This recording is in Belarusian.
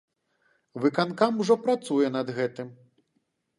Выканкам ужо працуе над гэтым.